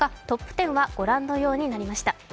トップ１０は御覧のようになりました。